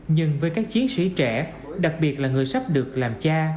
nhưng với các chiến sĩ trẻ đặc biệt là người sắp được làm cha